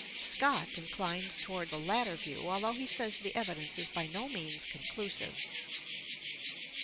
Scott inclines toward the latter view although he says the evidence is by no means conclusive.